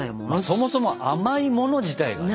そもそも甘いもの自体がね。